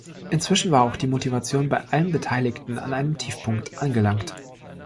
Inzwischen war auch die Motivation bei allen Beteiligten an einem Tiefpunkt angelangt.